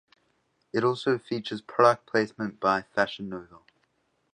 It also features product placement by Fashion Nova.